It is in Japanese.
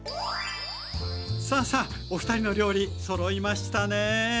さあさあおふたりの料理そろいましたね。